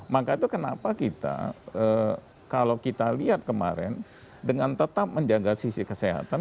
maka itu kenapa kita kalau kita lihat kemarin dengan tetap menjaga sisi kesehatan